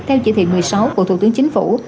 theo chỉ thị một mươi sáu của thủ tướng chính phủ